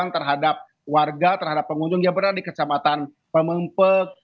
terhadap warga terhadap pengunjung yang berada di kecamatan pemempek